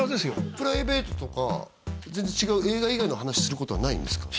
プライベートとか全然違う映画以外の話することはないんですか？